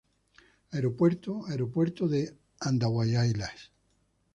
Aeropuerto: Aeropuerto de Andahuaylas.